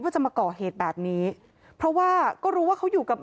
จะมาก่อเหตุแบบนี้เพราะว่าก็รู้ว่าเขาอยู่กับ